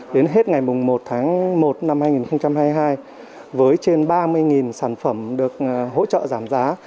đến hết ngày một tháng một năm hai nghìn hai mươi hai với trên ba mươi sản phẩm được hỗ trợ giảm giá